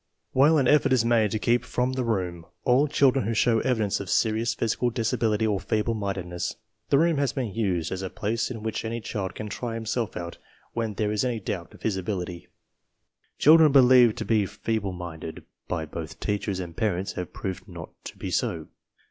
While an effort is made to keep from the room all children who show evidence of serious physical disability or feeble mindedness, the room has been used as a place in which any child can try himself out when there is any doubt of his ability. Children believed to be fee ble minded by both teachers and parents have proved not to be so.